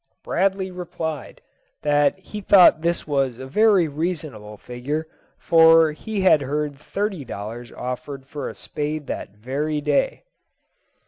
Bradley replied that he thought this was a very reasonable figure, for he had heard thirty dollars offered for a spade that very day.